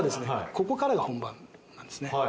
ここからが本番なんですね。